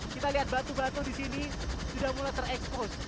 kita lihat batu batu di sini sudah mulai terekspos